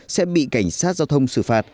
sẽ bị cảnh sát giao thông xử phạt